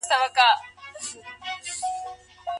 سمنک بې غنمو نه پخېږي.